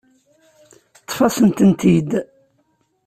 Ṭṭef-asent-tent-id.